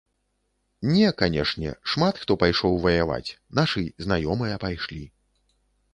Не, канешне, шмат хто пайшоў ваяваць, нашы знаёмыя пайшлі.